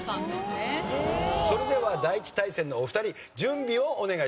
それでは第１対戦のお二人準備をお願いします。